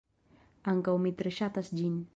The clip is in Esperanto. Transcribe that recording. Ankaŭ mi tre ŝatas ĝin.